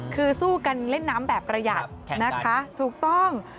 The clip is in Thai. คือสู้กันเล่นน้ำแบบประหยัดนะคะถูกต้อง